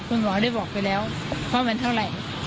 คุณหมอได้บอกไปแล้วว่ามันเท่าไหร่